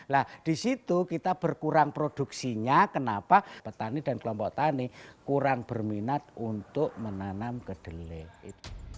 nah disitu kita berkurang produksinya kenapa petani dan kelompok tani kurang berminat untuk menanam kedelai